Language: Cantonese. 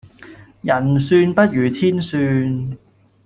人算不如天算